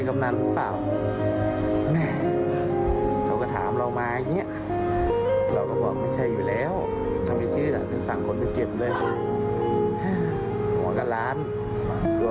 มันได้โอเควันนี้พ่อต้องเป็นกำหนันนี่สิอะไรอ่ะ